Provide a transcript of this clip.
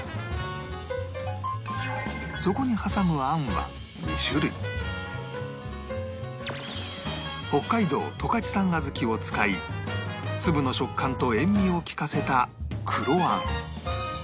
そこに挟む北海道十勝産小豆を使い粒の食感と塩味を利かせたあん